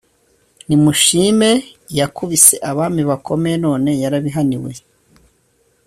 Nimushime iyakubise abami bakomeye none yarabihaniwe